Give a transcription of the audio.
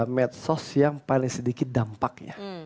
medsos yang paling sedikit dampaknya